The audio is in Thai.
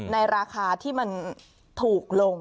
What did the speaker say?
ในราคาที่มันถูกลง